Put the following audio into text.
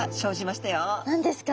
何ですか？